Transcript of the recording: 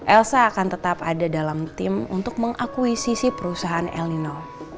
elsa akan tetap ada dalam tim untuk mengakuisisi perusahaan el nino